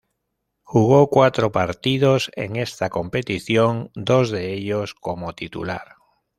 Jugó cuatro partidos en esta competición, dos de ellos como titular.